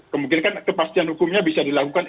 kemungkinan kepastian hukumnya bisa dilakukan